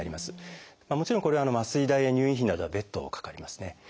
もちろんこれ麻酔代や入院費などは別途かかりますね。